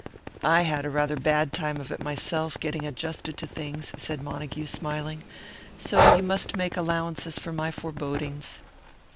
"I had a rather bad time of it myself, getting adjusted to things," said Montague, smiling. "So you must make allowances for my forebodings."